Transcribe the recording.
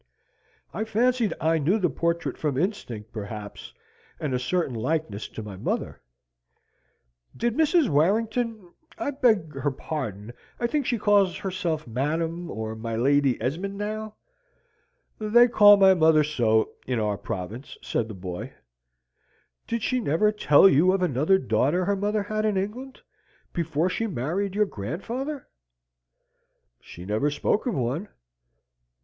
"I fancied I knew the portrait from instinct, perhaps, and a certain likeness to my mother." "Did Mrs. Warrington I beg her pardon, I think she calls herself Madam or my Lady Esmond now ?" "They call my mother so in our province," said the boy. "Did she never tell you of another daughter her mother had in England, before she married your grandfather?" "She never spoke of one."